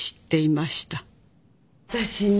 私に？